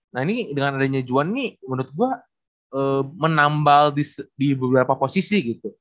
nah ini dengan adanya juan ini menurut gue menambal di beberapa posisi gitu